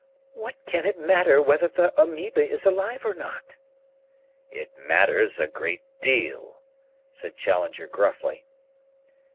"What can it matter whether the amoeba is alive or not?" "It matters a great deal," said Challenger gruffly.